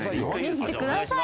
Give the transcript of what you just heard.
「見せてくださいよ」。